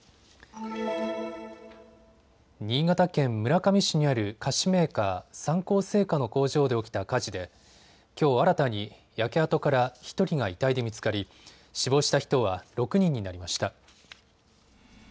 新潟県村上市にある菓子メーカー、三幸製菓の工場で起きた火事できょう新たに焼け跡から１人が遺体で見つかり、死亡した人は６人になりました。